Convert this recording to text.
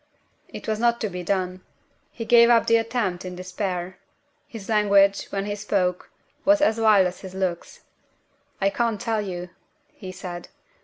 It was not to be done. He gave up the attempt in despair. His language, when he spoke, was as wild as his looks. "I can't tell you," he said.